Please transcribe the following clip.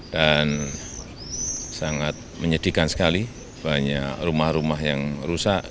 dan sangat menyedihkan sekali banyak rumah rumah yang rusak